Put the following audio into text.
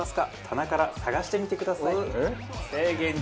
棚から探してみてください。